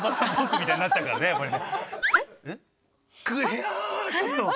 いやちょっと！